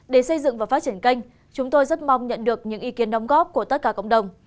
để xây dựng và phát triển kênh chúng tôi rất mong nhận được những ý kiến đóng góp của tất cả cộng đồng